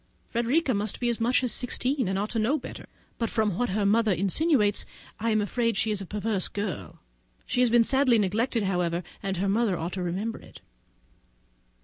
Frederica must be as much as sixteen, and ought to know better; but from what her mother insinuates, I am afraid she is a perverse girl. She has been sadly neglected, however, and her mother ought to remember it.